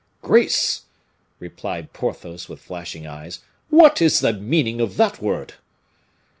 "Grace!" replied Porthos with flashing eyes, "what is the meaning of that word?"